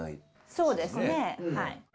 そうですねはい。